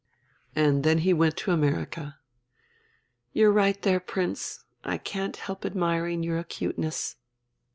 "And then he went to America?" "You're right there, Prince. I can't help admiring your 'cuteness."